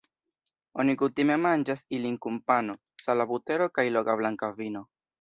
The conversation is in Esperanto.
Oni kutime manĝas ilin kun pano, sala butero kaj loka blanka vino.